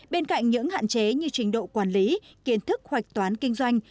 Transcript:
bên cạnh những hạn chế như trình độ quản lý kiến thức hoạch toán kinh doanh